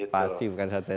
pasti bukan satu satunya